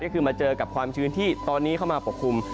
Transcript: ก็คือมาเจอกับความชื้นที่ตอนนี้เข้ามาปกคลุม